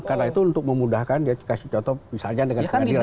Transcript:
karena itu untuk memudahkan dia kasih contoh misalnya dengan pengadilan